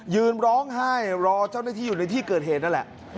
ยืนร้องไห้รอเจ้าหน้าที่อยู่ในที่เกิดเหตุนั่นแหละ